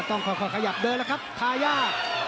ต้องค่อยขยับเดินแล้วทายา